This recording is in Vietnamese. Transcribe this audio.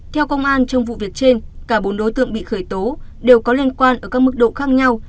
theo công an trong vụ việc trên cả bốn đối tượng bị khởi tố đều có liên quan ở các mức độ khác nhau